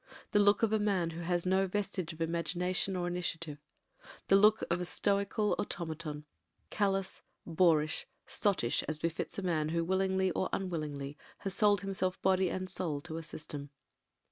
The look of a man who has no vestige of imagination or initiative; the look of a stoical automaton; callous, boorish, sottish as befits a man who willingly or unwillingly has sold himself body and soul to a system.